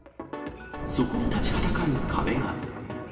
そこに立ちはだかる壁が。